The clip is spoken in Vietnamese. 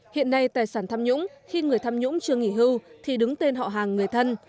hiện nay tài sản tham nhũng khi người tham nhũng chưa nghỉ hưu thì đứng tên họ hàng người thân